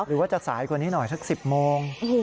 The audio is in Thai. หรือว่าจะสายกว่านี้หน่อยสัก๑๐โมง